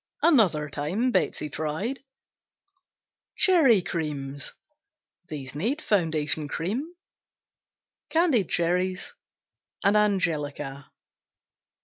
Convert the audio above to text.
Another time Betsey tried Cherry Creams Foundation cream. Candied cherries and angelica.